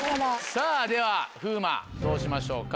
さぁでは風磨どうしましょうか。